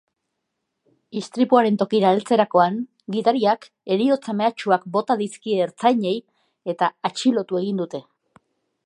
Istripuaren tokira heltzerakoan gidariak heriotza mehatxuak bota dizkie ertzainei eta atxilotu egin dute.